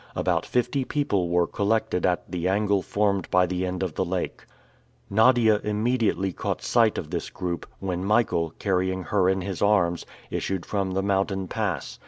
About fifty people were collected at the angle formed by the end of the lake. Nadia immediately caught sight of this group, when Michael, carrying her in his arms, issued from the mountain pass.